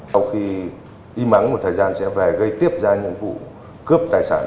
sau khi im ắng một thời gian sẽ về gây tiếp ra những vụ cướp tài sản